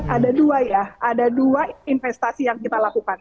ada dua investasi yang kita lakukan